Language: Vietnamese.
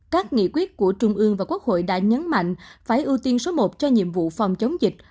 các nghị quyết của trung ương và quốc hội đã nhấn mạnh phải ưu tiên số một cho nhiệm vụ phòng chống dịch